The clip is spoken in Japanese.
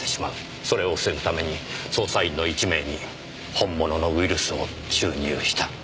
それを防ぐために捜査員の１名に本物のウイルスを注入した。